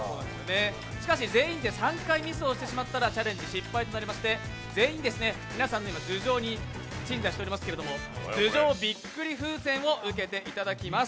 しかし全員で３回ミスをしてしまったらチャレンジ失敗となりまして全員、皆さんの図上に鎮座しておりますけど頭上びっくり風船を受けていただきます。